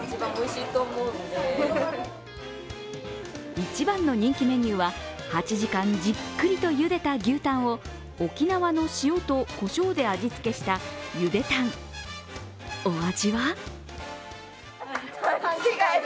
一番の人気メニューは８時間じっくりとゆでた牛タンを沖縄の塩とこしょうで味付けしたゆでタン、お味は？